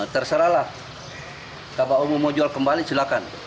terserahlah kalau mau jual kembali silakan